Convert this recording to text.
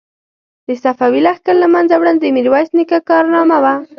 د صفوي لښکر له منځه وړل د میرویس نیکه کارنامه وه.